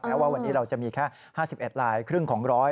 แม้ว่าวันนี้เราจะมีแค่๕๑รายครึ่งของร้อย